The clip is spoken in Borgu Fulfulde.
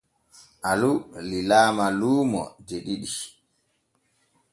Alu lilaama luumo de ɗiɗi.